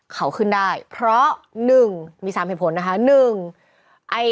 เขาขึ้นได้เพราะ๑มี๓เหตุผลนะคะ